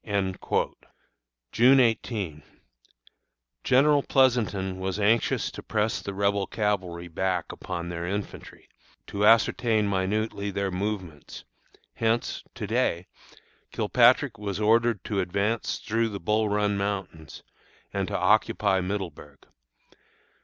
June 18. General Pleasonton was anxious to press the Rebel cavalry back upon their infantry, to ascertain minutely their movements; hence, to day, Kilpatrick was ordered to advance through the Bull Run Mountains, and to occupy Middleburg.